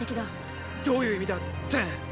どういう意味だテン。